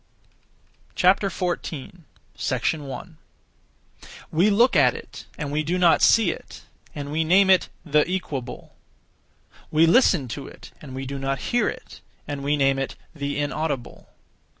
14. 1. We look at it, and we do not see it, and we name it 'the Equable.' We listen to it, and we do not hear it, and we name it 'the Inaudible.'